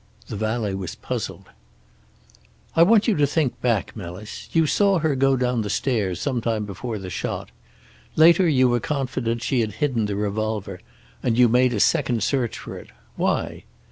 The valet was puzzled. "I want you to think back, Melis. You saw her go down the stairs, sometime before the shot. Later you were confident she had hidden the revolver, and you made a second search for it. Why?